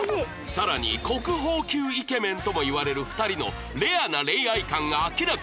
更に国宝級イケメンともいわれる２人のレアな恋愛観が明らかに！